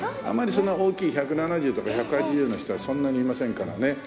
あんまりそんな大きい１７０とか１８０の人はそんなにいませんからね。